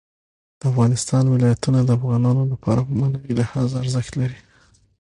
د افغانستان ولايتونه د افغانانو لپاره په معنوي لحاظ ارزښت لري.